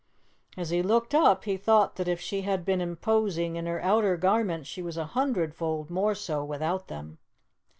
As he looked up he thought that if she had been imposing in her outdoor garments she was a hundredfold more so without them.